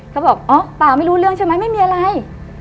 เขาบอกอ๋อเปล่าไม่รู้เรื่องใช่ไหมไม่มีอะไร